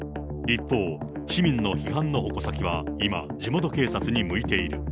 一方、市民の批判の矛先は今、地元警察に向いている。